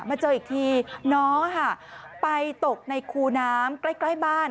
เจออีกทีน้องไปตกในคูน้ำใกล้บ้าน